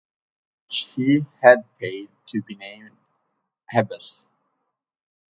She had paid to be named abbess.